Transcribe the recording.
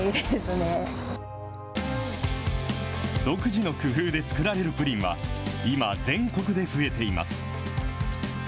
独自の工夫で作られるプリンは今、全国で増えています。